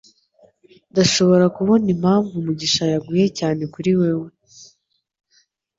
Ndashobora kubona impamvu Mugisha yaguye cyane kuri wewe.